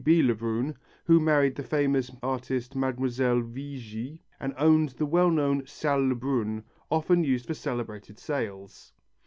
B. Lebrun, who married the famous artist Mlle. Vigëe, and owned the well known Salle Lebrun, often used for celebrated sales.